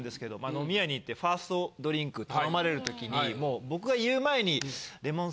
飲み屋に行ってファーストドリンク頼まれるときに僕が言う前に。